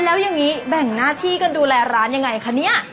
แล้วอย่างนี้แบ่งหน้าที่กันดูแลร้านยังไงคะเนี่ย